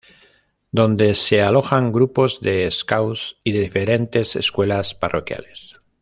Donde se alojan Grupos de Scouts y de diferentes escuelas parroquiales.